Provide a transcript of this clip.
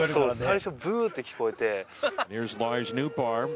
最初「ブー」って聞こえて。